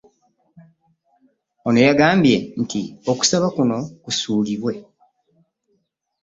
Ono yagambye nti okusaba kuno kusuulibwe